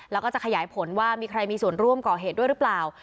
แล้วก็จะขยายผลว่ามีใครมีส่วนร่วมก่อเหตุด้วยหรือเปล่า